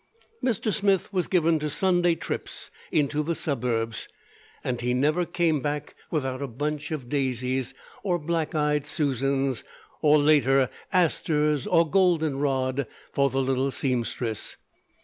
Mr. Smith was given to Sunday trips into the suburbs, and he never came back without a bunch of daisies or black eyed Susans or, later, asters or golden rod for the little seamstress.